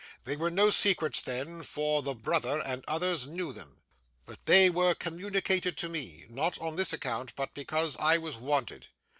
They were no secrets then; for the brother, and others, knew them; but they were communicated to me, not on this account, but because I was wanted.